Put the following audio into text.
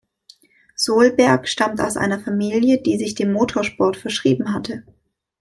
Solberg stammt aus einer Familie, die sich dem Motorsport verschrieben hatte.